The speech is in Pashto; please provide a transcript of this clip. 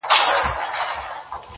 په خپل خیر چي نه پوهیږي زنداني سي -